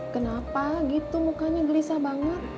kenapa gitu mukanya gelisah banget